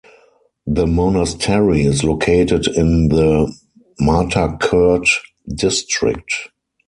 The monastery is located in the Martakert District.